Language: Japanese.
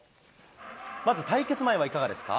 まず対決前はいかがですか？